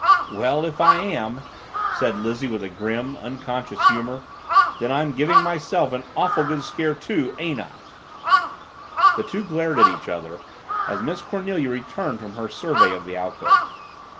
"Well, if I am," said Lizzie with grim, unconscious humor, "I'm giving myself an awful good scare, too, ain't I?" The two glared at each other as Miss Cornelia returned from her survey of the alcove.